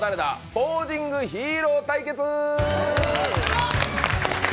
ポージングヒーロー対決！